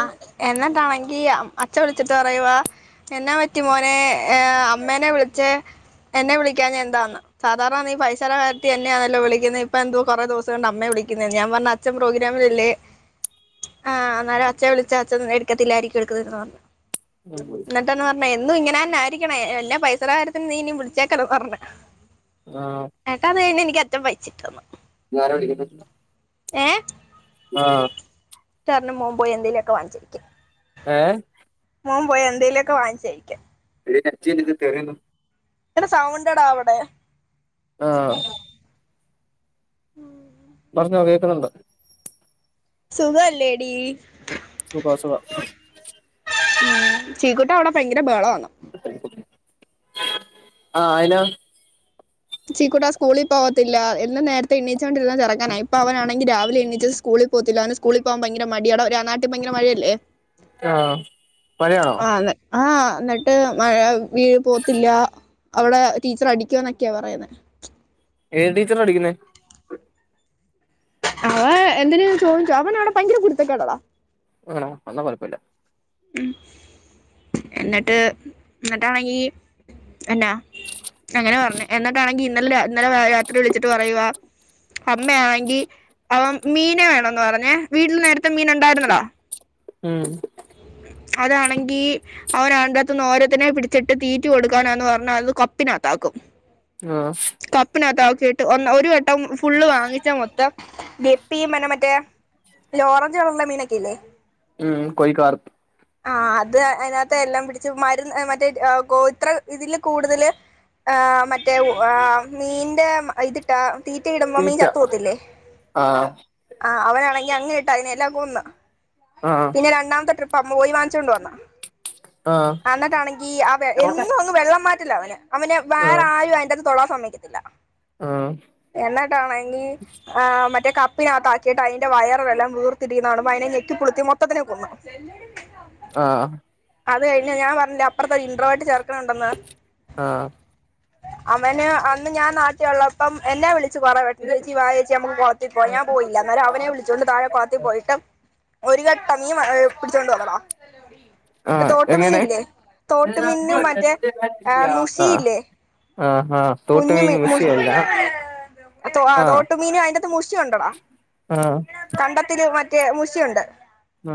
ആ എന്നിട്ടാണെങ്കി ഈ അച്ഛ വിളിച്ചിട്ട് പറയുവ എന്നാ പറ്റി മോനെ അമ്മേനെ വിളിച്ചെ എന്നെ വിളിക്കാഞ്ഞ എന്താന്ന്‌ സാദാരണ നീ പൈസേടെ കാര്യത്തിൽ എന്നെയാണല്ലോ വിളിക്കുന്നത് ഇപ്പൊ എന്ത കൊറേ ദിവസം കൊണ്ട് അമ്മേ വിളിക്കുന്നെന്ന് ഞാൻ പറഞ് അച്ഛൻ പ്രോഗ്രാമിലല്ലേ ആ അങ്ങനെ അച്ഛാ വിളിച്ച അച്ഛൻ നേ ക്കത്തില്ലായിരിക്കും എടുക്ക [unintelligible] എന്നിട്ടെന്ന് പറഞ്ഞാ എന്നും ഇങ്ങനന്നെ ആയിരിക്കണേ എന്നാ പൈസേടെ കാര്യ നീ ഇനി വിളിച്ചേക്കല്ലേന്ന് പറഞ്ഞേ ഏട്ടാ അത് കഴിഞ്ഞ് എനിക്ക് അ ട്ടം വെച്ചിട്ടന്ന് നീ ആരെയാ വിളിക്ക [unintelligible] ഏഹ് ആഹ് റിന് മോൻ പോയി എന്തേലൊക്കെ വാങ്ങിച്ച് കഴിക്ക്. ഏ മോൻ പോയി എന്തേലൊക്കെ വാങ്ങിച്ച് കഴിക്ക് [unintelligible] [unintelligible] സൗണ്ടെടാ അവടെ ആഹ് ഉം പറഞ്ഞോ കേക്കുന്നുണ്ട് സുഖല്ലേടി സുഖാ സുഖാ ഉം ചീക്കുട്ടാ അവടെ ഭയങ്കര ബഹളവാ ആഹ് അയിനാ ചീക്കുട്ടാ സ്കൂളിൽ പോത്തില്ല എന്നും നേരത്തെ എണ്ണിച്ചോണ്ടിരുന്ന ചെറക്കനാ ഇപ്പ അവനാണെങ്കി രാവിലെ എണീച്ചത് സ്കൂളി പോവത്തില്ല അവന് സ്കൂളി പോവാൻ ഭയങ്കര മടിയാടാ [unintelligible] ഒര് നാട്ടി ഭയങ്കര മഴയല്ലേ ആഹ് മഴയാണോ ആഹ് എന്നിട്ട് മഴ വീഴ് പോത്തില്ല അവടെ ടീച്ചറ് അടിക്കുന്നൊക്ക് ക്കെയാ പറയുന്നേ ഏത് ടീച്ചറാ അടിക്കുന്നേ? അവൻ എന്തിര് ചോദിച്ചോ അവനവിടെ ഭയങ്കര കുരുത്തക്കേടാ ഡാ ആണോ എന്നാ കൊഴപ്പില്ല ഉം എന്നിട്ട് എന്നിട്ടാണെങ്കി എന്നാ അങ്ങനാ പറഞ്ഞേ എന്നിട്ടാണെങ്കി ഇന്നലെ രാ ഇന്നലെ രാത്രി വിളിച്ചിട്ട് പറയുവാ അമ്മ ആണെങ്കി അപ്പ മീനെ വേണന്ന് പറഞ്ഞേ വീട്ടിൽ നേരത്തെ മീൻ ഉണ്ടായിരുന്നതാ ഉം അതാണെങ്കി അവൻ അതിൻറെ അകത്തുന്ന് ഓരോത്തിനെ പിടിച്ചിട്ട് തീറ്റി കൊടുക്കാനാന്ന് പറഞ്ഞ് അത് കപ്പിനകത്താക്കും. ആഹ് കപ്പിനകത്താ [unintelligible] കേട്ട് ഒ ഒരു വട്ടം ഫുള്ള് വാങ്ങിച്ചാ മൊത്തം ഗപ്പിയും പിന്നെ മറ്റേ ഓറഞ്ച് കളറിലെ മീനൊക്കെ ഇല്ലേ ഉം കൊയ് കളർ ആ അത് അതിനാത്തെ എല്ലാം പിടിച്ച് മരുന്ന് മറ്റേ ഗോത്ര ഇതില് കൂടുതല് ഏഹ് മറ്റേ ഏഹ് മീന്റെ ഇതിട്ടാ തീറ്റ ഇടുമ്പോ മീൻ തീറ്റ ചത്ത് പോത്തില്ലേ ആഹ് ആ അവനാണെ അങ്ങിട്ട് അതിനെ എല്ലാം കൊന്ന് ആഹ് പിന്നെ രണ്ടാമത്തെ ട്രിപ്പ് പ്പൊ അവൻ പോയി വാങ്ങിച്ചോണ്ട് വന്ന് ആഹ് ആഹ് എന്നിട്ടാണെങ്കി ആ എന്നും അങ്ങ് വെള്ളം മാറ്റി ല്ല അവന് അവനെ വേറെ ആരും യെന്തദ് [unintelligible] തൊടാൻ സമയിക്കത്തില്ല ആഹ് എന്നട്ടാണെങ്കിൽ ആ മറ്റേ കപ് പ്പിന്റെഗത്താക്കിട്ട് അതിന്റെ വയർ എല്ലാം വീർത്തിരിക്കുന്നത് കാണുമ്പോ അതിനെ നെക്കിളിപിളിത്തി മൊ തത്തിനെ കൊന്ന് ആ അത് കഴിഞ്ഞ ഞാ പറഞ്ഞില്ല അപ്പുറത്തെ ഇൻറോർട്ട് ചെർക്ക ന് ഉണ്ടന്ന് ആഹ് അവന് അന്ന് ഞാൻ നാട്ടിലുള്ളപ്പം എന്നാ വിളിച്ച ച്ച് പറ ചേച്ചി വാ ചേച്ചിനമ്മക് കോള ത്തിൽ പോവാ ഞാൻ പോയില്ല എന്നാലും അവനെ വിളിച്ചോണ്ട് തായേ കോള ത്തിൽ പോയിട്ടും ഒരു ക യ് പിടിച്ചോഡ് വന്നതാ [unintelligible] ആഹ് എങ്ങനെ തോട്ടുമീൻല്ലേ ആഹ് തോട്ടുമീന്നും മറ്റേ മുഷി ഇല്ലേ ആ കുഞ്ഞ് മീൻ അ ആഹ് തോട്മീനും അതിതിനകത്ത് മുശിയുണ്ടടാ ആഹ് കണ്ടത്തി മ [unintelligible] മൂശിയുണ്ട് ആ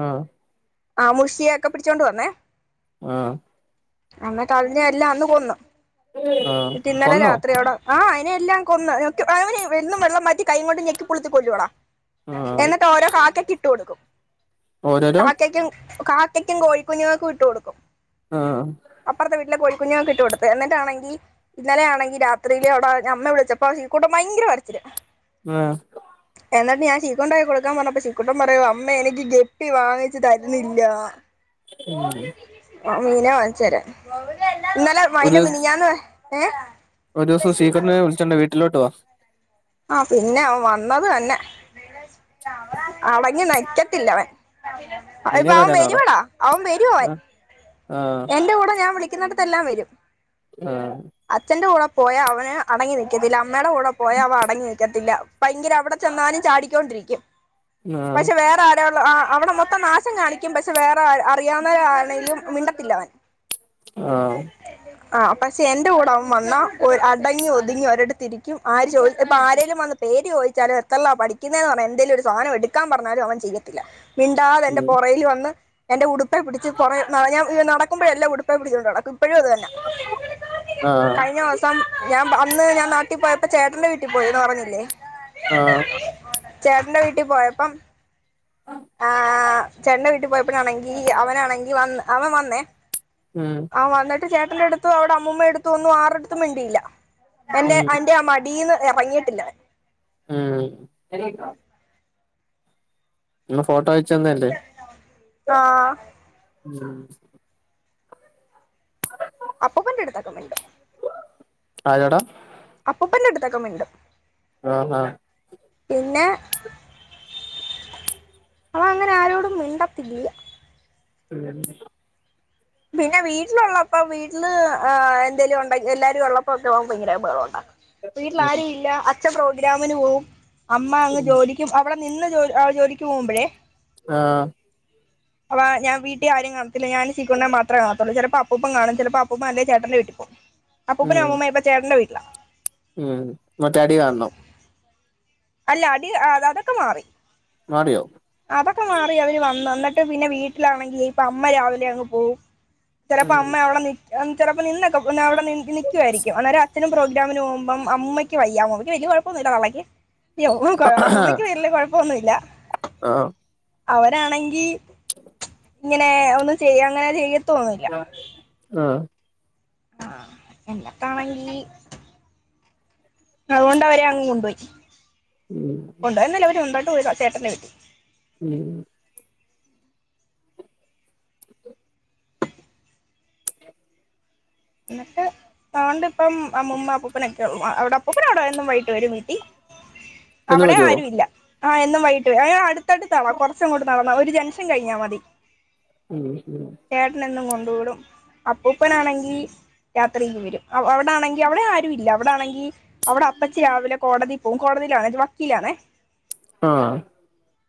ആ മുഷിയ ഒക്കെ പിടിച്ചോണ്ട് വന്നേ ആ അന്ന് കളഞ്ഞല്ല അന്ന് കൊന്നു ആ ഇിന്നലെ രാത്രിയോടെ ആ അയിനെ എല്ലാം കൊന്ന് അവന് യെന്നും വെള്ളം മാറ്റി കൈ കൊണ്ട് ഞെക്കിപുളുത്തി കൊല്ലുട ആഹ് എന്നിട്ട് ഓരോ കാക്ക കി ട്ട് കൊടുക്കും ഓരോരോ കാക്കക്കും ക യ്ക്കും കോഴികുഞ്ഞുങ്ങക്കും ഇട്ടു കൊടുക്കും ആഹ് അപ്പറത്തെ വീട്ടില കോഴി കുഞ്ഞുങ്ങൾക്ക് ഇട്ടുകൊടുത്ത് എന്നിട്ടാണെങ്കിൽ ഇന്നലെ ആണെങ്കിൽ രാത്രിയിൽ അവിടെ അമ്മ വിളിച്ചപ്പ ശ്രീ കുട്ടൻ ഭയങ്കര കരച്ചിൽ ആ എന്നിട്ട് ഞാൻ ശീകുട്ടൻ പോയി കൊടുക്കാൻ പറഞ്ഞപ്പ ശീക്കുട്ടം പറയോ അമ്മ എനിക്ക് ഗെപ്പി വാങ്ങിച്ചു തരുന്നില്ല ഉം മീനാ വാഗിച്ചര ഇന്നലെ ഒരു അയിന്റെ മിനിഞ്ഞാന്ന് ഏഹ് ഒരു ദിവസം സ്വീകരനെ വിളിച്ചിണ്ടോ വീട്ടിലോട്ട് വാ അഹ് ആഹ് പിന്നെ അവൻ വന്നത് തന്നെ അടങ്ങി നി ക്കത്തില്ല അവൻ ഇപ്പ മീനെ അവൻ തരാന്ന് പറ വരുവടാ അവൻ വരുവവൻ ആഹ് എന്റെ കൂടെഞാൻവിളി- ക്കുന്നടത്തെല്ലാം വരും ആഹ് അച്ഛന്റെ കൂടെ പോയാ അവന് അടങ്ങി നിക്കത്തില്ല അമ്മേടെ കൂടെ പോയാ അവ അടങ്ങി നിക്കത്തില്ല ഭയങ്കര അവിടെ ചെന്നാലും ചാടിക്കൊണ്ടിരിക്കും. ആഹ് പക്ഷെ വേറെ ആരോ- ആഹ് അവിടെ മൊത്തം നാശം കാണിക്കും പക്ഷെ വേറെ അ അറിയാവുന്നോരാണേലും ഇല്ലവൻ ആഹ് ആ പക്ഷെ എന്റെ കൂടെ അവൻ വന്നാ ഒ അടങ്ങി ഒതുങ്ങി ഒരടത്തിരിക്കും ആര് ചോയിച്ചാ ഇപ്പ ആരേലും വന്ന് പേര് ചോയിച്ചാലും എത്രേല്ല പഠിക്കുന്നേ പറയാ എന്തേലും ഒരു സാധനം എടുക്കാൻ പറഞ്ഞാലും അവൻ ചെയ്യത്തില്ല മിണ്ടാതെ എന്റെ ഉം പൊറകില് വന്ന് എന്റെ ഉടുപ്പേ പിടിച്ച് പൊറേ [unintelligible] ഏഹ് നടുക്കുമ്പോ എല്ലാം ഉടുപ്പെ പിടുച്ചോണ്ട് നടക്കും ഇപ്പഴും അത് തന്നാ ആഹ് കഴിഞ്ഞ മാസം ഞാ- അന്ന് ഞാൻ നാട്ടി പോയപ്പോ ചേട്ടന്റെ വീട്ടി പോയെന്ന് പറഞ്ഞില്ലേ ആഹ് ചേട്ടന്റെ വീട്ടി പോയപ്പം ആഹ് ചേട്ടന്റെ വീട്ടി പോയപ്പഴാണെങ്കി അവനാണെങ്കി വന്ന് അവൻ വന്നേ ഉം അവൻ വന്നിട്ട് ചേ ട്ടന്റെടുത്തു അവടെ അമ്മുമ്മേടുത്തുവൊന്നും ആരുടെടുത്തും മിണ്ടിയില്ല എന്റെ ഉം അന്റെ ആ മടീന്ന് എറങ്ങീട്ടില്ലവൻ ഉം. നിങ്ങ ഫോട്ടോ അയ് ആഹ [inaudible] അപ്പൂപ്പന്റെടുത്തൊക്കെ മിണ്ടും ആയടാ അപ്പൂപ്പന്റെടുത്തൊക്കെ മിണ്ടും ആഹ പിന്നെ അവൻ അങ്ങനെ ആരോടും മിണ്ടത്തില്ല [unintelligible] പിന്നെ വീട്ടിലുള്ളപ്പോ വീട്ടില് എന്തേലും ഉണ്ട എല്ലാരും ഉള്ളപ്പോൊ ഒക്കെ ഭയങ്കര ബഹളം ഉണ്ടാക്കും വീട്ടിൽ ആരും ഇല്ല അച്ഛ അച്ഛൻ പ്രോഗ്രാമിന് പോവും അമ്മ അങ്ങ് ഉം ജോലിക്കും അവിടെ ഇന്ന് ജോലി ആ ജോലിക്ക് പോകുമ്പോഴേ ആഹ അപ്പോ ഞാൻ വീട്ടിൽ ആരും കാണത്തില്ല ഞാൻ അവനെ മാത്രമേ കാണത്തുള്ളൂ ചെല അപ്പുപ്പൻ കാണും ചിലപ്പോ അപ്പുപ്പൻ അല്ലേ ചേട്ടന്റെ വീട്ടിപ്പോവും അപ്പൂപ്പനും ഉം അമ്മുമ്മയും ഇപ്പൊ ചേട്ടന്റെ വീട്ടി ഇല്ല ഉം മറ്റേ അടി കാണണം അല്ല അടി അതൊക്കെ മാറി മാറിയോ അതൊക്കെ മാറി അവിര് വന്ന് എന്നിട്ട് പിന്നെ വീട്ടിലാണെങ്കിൽ ഇപ്പം അമ്മ രാവിലെ അങ്ങ് പോവും ചിലപ്പോ അമ്മ അവിടെ നിക്കും ചെലപ്പോ നിന്ന് അവിടെ നിക്കുവായിരിക്കും അന്നേരം അച്ഛനും പ്രോഗ്രമി പ്രോഗ്രമിന് പോവുമ്പോ അമ്മയ്ക്ക് വയ്യാ വലിയ കൊഴപ്പൊന്നുല്ല തള്ളയ്ക്ക് അയ്യോ അമ്മുമ്മയ്ക്ക് വലിയ കൊഴപ്പൊന്നുല്ല ആഹ് അവരാണെങ്കി [inaudible] ഇങ്ങനെ ഒന്ന് ചെയ്യും അങ്ങനെ ചെയ്യത്ത ആ ഉം ആഹ എന്നെക്കാണെങ്കി അതുകൊണ്ട് അവരെ അങ്ങ് കൊണ്ടുപോയി ഉം ഉണ്ട്‌ എന്നല്ല അവര് ഉണ്ടെങ്കി ചേട്ടന്റെ വീട്ടിൽ ഉം [inaudible] എന്നിട്ട് അതുകൊണ്ട് ഇപ്പം അമ്മുമ്മ അപ്പൂപ്പനൊക്കെ അവിടെ അപ്പൂപ്പൻ അവിടെ എന്നും വൈകിട്ട് വരും വീട്ടി ചെല്ലാൻ അവിടെ പറ്റുവോ ആരു ഇല്ല ആ എന്നും വൈകിട്ട് വരും ആ അടു ത്ത്ടുത്താ കൊറച്ചങ്ങോ നടന്ന ഒരു ജംഗ്ഷൻ കഴിഞ്ഞാ മതി ചേട്ടനെന്നും കൊ ണ്ടു വിടും അപ്പൂപ്പനാണെങ്കി രാത്രിക്ക് വരും അവിടാണെങ്കി അവിടെ ആരു ഇല്ല അവിടാണെങ്കി അവിടെ അപ്പച്ചി രാവിലെ കോടതിപോകും കോടതിയിലാണെ വക്കീലാണേ ആ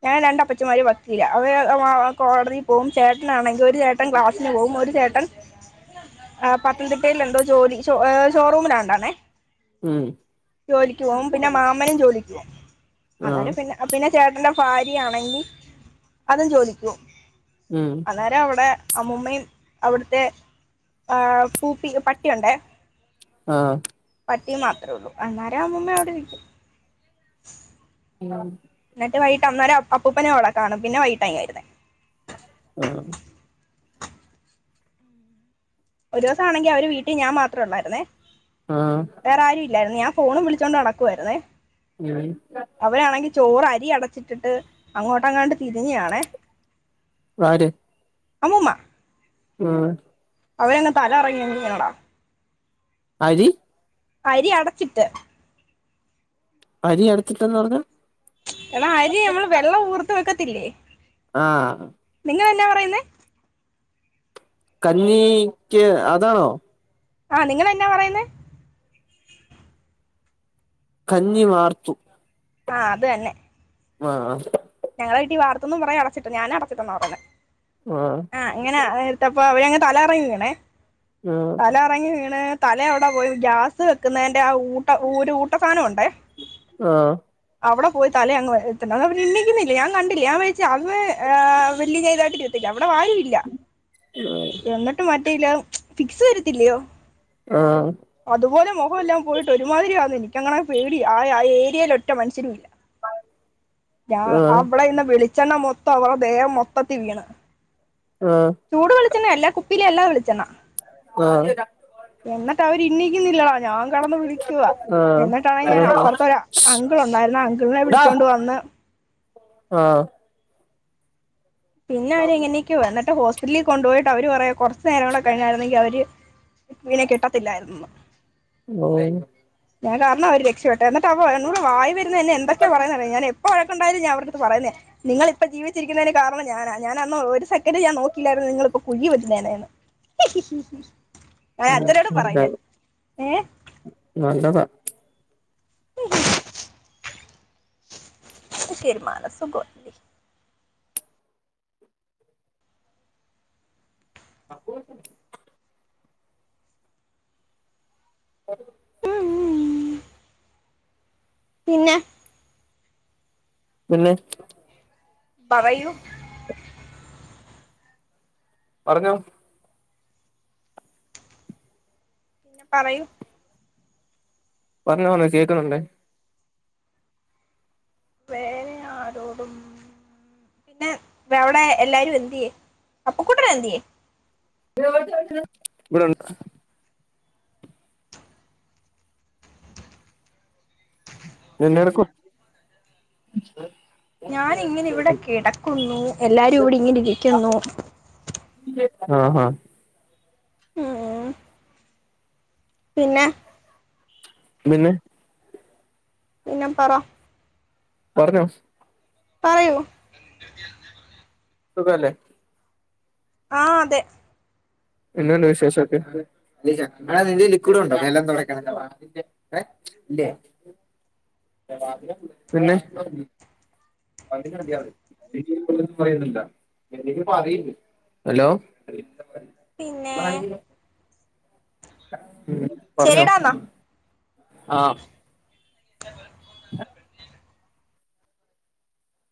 ഞാൻ രണ്ടപ്പച്ചിന്മാര് വക്കീല്ല അവര് കോടതി പോകും ചേട്ടനാണെങ്കി ഒ രു ചേട്ടൻ ക്ലാസ്സിന് പോകും ഒരു ചേട്ടൻ ആ പത്തനംതിട്ടയിൽ എന്തോ ജോലി ഷോ ഷോറൂമിലാണ്ടാണേ ഉം ജോലിക്ക് പോവും പിന്നെ മാമനും ജോലിക്ക് പോവും ആഹ് അന്നേരം പിന്നെ പിന്നെ ചേട്ടനും ഭാര്യയാണെങ്കി അതും ജോലിക്കും പോകും ഉം അന്നേരം അവടെ അമ്മുമ്മയും അവടുത്തെ ആഹ്‌ പൂപ്പി പട്ടി ഒണ്ടേ ആ പട്ടിയ മാത്രേള്ളൂ അന്നേര അമ്മുമ്മ അവിടെ നിക്കും ഉം ട്ട് വൈകിട്ട് അന്നേര അപ്പൂപ്പനും അവടെ കാണും പിന്നെ വെകിട്ടാ ഇങ്ങ് വരുന്നേ ആ ഒരു ദിവസം ആണെങ്കി അവര് വീട്ടി ഞാൻ മാത്രേ ഒള്ളായിരുന്നേ ആഹ് വേറെ ആരും ഇല്ലായിരുന്നു ഞാ ഫോണും വിളിച്ചോണ്ട് നടക്കുവായിരുന്നേ ഉം ചോറ് അരി അടച്ചിട്ടിട്ട് അങ്ങോട്ടങ്ങാണ്ട് തിരിഞ്ഞാണേ അമ്മുമ്മ ആഹ് അവരങ്ങ് തലകറങ്ങി അങ്ങ് വീണടാ ആരി അരി അടച്ചിട്ട് അരി എടുത്തിട്ടെന്ന് പറഞ്ഞ എടാ അരി നമ്മള് വെള്ളം ഊർത്ത് വെക്ക ത്തിലെ ആ നിങ്ങളെന്ന പറയുന്നെ കഞ്ഞി ക്ക് അതാണോ ആ നിങ്ങെന്നാ പറയുന്നേ കഞ്ഞി വാർത്തു ആഹ അത് തന്നെ ആഹ ഞങ്ങള വട്ട വാർത്താണ് പറയാ അടച്ചിട്ട ഞാനൻടച്ചിട്ടന്ന പറഞ്ഞു ആഹ് ആഹ ഇങ്ങനെ എടുത്തപ്പ അവ അന തല കറങ്ങി വീണേ ആഹ് തല ഇറങ്ങി വീണ തല അവിടെ പോയി ഗ്യാസ് വെക്കുന്ന ആ ഊട്ട ഊട്ടസാനംുണ്ടേ ആഹ് അവിടെ പോയി താലെ അങ്ങ എ ഇന്നക്ക് ഞാൻ കണ്ടില്ല ഞാൻ വിചാരിച്ചു അവ ഏഹ വലിയ ഇതായിട്ട് എടുത്തില്ല ഇവിടെ ആരും ഇല്ല ല്ല ഫിക്സ് വരത്തില്ലയോ ആഹ് അതുപോലെ മുഖം എല്ലാം പോയിട്ട് ഒരുമാതിരി ആന്ന എനിക്ക് എ അങ്ങനെ പേടി ആ ഏരിയൽ ഒറ്റ മനുഷരും ഇല്ല [unintelligible] ആഹ് അമ്മള ഇന്നന്ന് വിളിച്ചക്ക് വെളിച്ചെണ്ണ മൊത്തം അവടെ ദേഹം മൊത്തത്തി വീണ് ചൂട് വെളിച്ചെണ്ണ എല്ലാ ഇില എല്ലാം വിളിച്ചണാ ആഹ എന്നിട്ട് അവർ ഇനക്കുന്നില്ല ഞാൻ കടന്ന് വിളിക്കുവ എന്നിട്ടാണെ ഞാൻ ആഹ് ആഹ് അപ്പുറത്തെ അങ്കിള ഉണ്ടായിരുന്ന അങ്കിളിനെ വിളിച്ചോണ്ട് വന്ന് ആഹ പിന്നെ അവരെങ്ങനൊക്ക വന്നി്ോസ്പിറ്റലിൽ കൊണ്ടു പോയി് അവര് അവര് പറയുവാ കുറച്ച് കുറച്ചു നേേരം കൂടെ കഴിഞ്ഞായിരുന്നെങ്കിൽ അവർ പിനെ കിട്ടത്തില്ലായിരുന്നു ഓ ഞാൻ കാരണം അവര് രക്ഷപ്പെട്ട എന്നി് അവോട് വായ ഇന്ന് എന്തൊക്കെ ആ പറുന്നത് അറിയാമോ ഞാൻ എപ്പോവേണമെങ്കിലും ണ്ട ഞാൻ അവർക്ക് പറയുന്നേ നിങ്ങ ഇപ്പൊ ജീവിച്ചിരിക്കുന്നതിന് കാരണം ഞാനാ ഞാൻന്ന ഒരു സെക്കന്ഡ് ഞാൻ നോക്കിയിായിരുന്നു നിങ്ങളിപ്പോൊ കുഴുകി പറ്റുന്നേനെയന്ന് ആ നല്ല ഏ നല്ലത ഉ അതൊക്കെ ഒരു മനസുഖം ആ അപ്പസ [unintelligible] അ [unintelligible] ഉം ഉം പിന്നെ പിന്നെ പറയൂ പറഞ്ഞോ പിന്നെ പറയൂ പറഞ്ഞോന്നെ കേക്കുന്നുണ്ടെ വേറെ ആരോടും പിന്നെ അവിടെ എല്ലാരും എന്തിയെ അപ്പു കുട്ടൻ എന്തിയെ ഇവിടുണ്ട് ഇതെന്തെടുക്കുവാ ഞാൻ ഇങ്ങനെ ഇവിടെ കിടക്കുന്നു എല്ലാരും ഇവിടെ ഇങ്ങനെ ഇരിക്കുന്നു ആ ഹാ ഉം പിന്നെ പിന്നെ പിന്നെ പറ പറഞ്ഞോ പറയൂ സുഖവല്ലേ ആ അതെ എന്തുണ്ട് വിശേഷൊക്കെ പിന്നെ ഹലോ പിന്നെ ശെരിടാ അന്നാ ആ [unintelligible] [unintelligible]